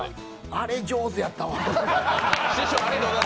あれ上手やったわ。